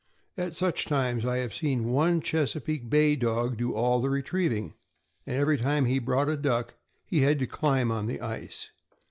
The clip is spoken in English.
At such times I have seen one Chesapeake Bay Dog do all the retrieving, and every time he brought a duck he had to climb on the ice.